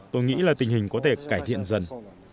tôi nghĩ là tình hình có thể cải thiện dần